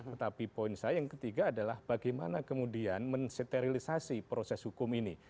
tetapi poin saya yang ketiga adalah bagaimana kemudian menseterisasi proses hukum ini